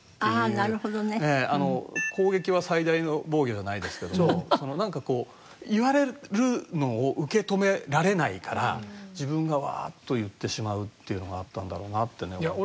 あなるほどね。攻撃は最大の防御じゃないですけどなんか言われるのを受け止められないから自分がわーっと言ってしまうっていうのがあったんだろうなってね思って。